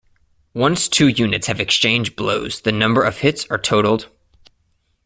Once two units have exchanged blows the number of hits are totalled.